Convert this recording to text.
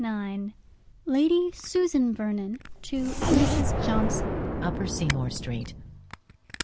XXIX Lady Susan Vernon to Mrs. Johnson. Upper Seymour Street.